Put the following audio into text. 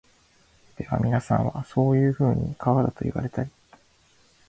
ではみなさんは、そういうふうに川だと云いわれたり、